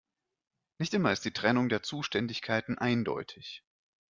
Nicht immer ist die Trennung der Zuständigkeiten eindeutig.